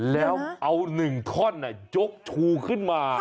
แล้วเอา๑ท่อนยกชูขึ้นมา